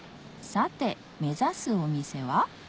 さて目指すお店は？